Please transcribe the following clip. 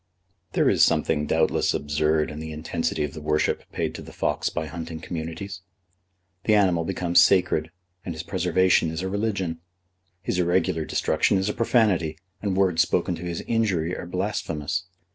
There is something doubtless absurd in the intensity of the worship paid to the fox by hunting communities. The animal becomes sacred, and his preservation is a religion. His irregular destruction is a profanity, and words spoken to his injury are blasphemous.